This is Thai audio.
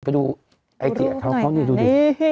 ไปดูไอเดียเข้านี่ดูดิ